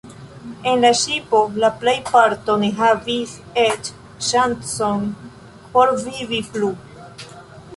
En la ŝipo la plejparto ne havis eĉ ŝancon por vivi plu.